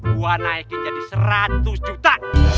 buah naikin jadi seratus juta